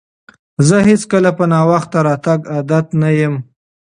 زه هیڅکله په ناوخته راتګ عادت نه یم.